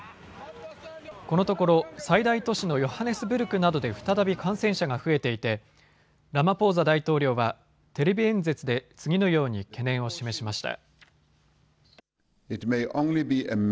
このところ最大都市のヨハネスブルクなどで再び感染者が増えていてラマポーザ大統領はテレビ演説で次のように懸念を示しました。